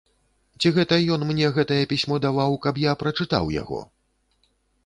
Ці гэта ён мне гэтае пісьмо даваў, каб я прачытаў яго?